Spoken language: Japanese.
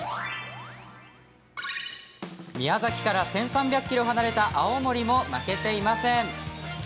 宮崎から１３００ｋｍ離れた青森も負けていません。